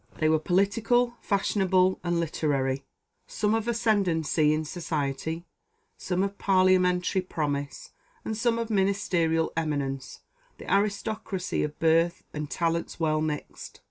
They were political, fashionable, and literary; some of ascendency in society, some of parliamentary promise, and some of ministerial eminence the aristocracy of birth and talents well mixed.